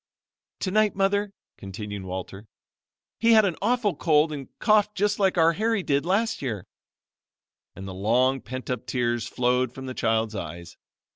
"Tonight, Mother," continued Walter, "he had an awful cold and coughed just like our Harry did last year," and the long pent up tears flowed from the child's eyes.